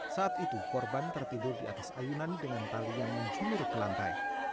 saat itu korban tertidur di atas ayunan dengan tali yang menjemur ke lantai